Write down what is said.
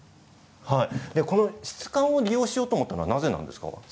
この質感を利用しようと思ったのはなぜなんですか？